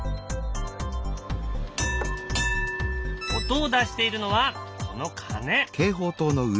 音を出しているのはこの鐘。